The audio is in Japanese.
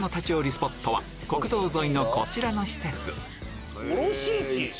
スポットは国道沿いのこちらの施設「卸市」